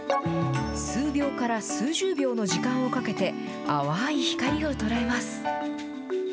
数秒から数十秒の時間をかけて、淡い光を捉えます。